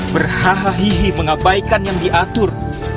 berhahihi mengabaikan yang diatur